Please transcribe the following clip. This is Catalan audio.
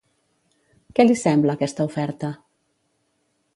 Què li sembla aquesta oferta?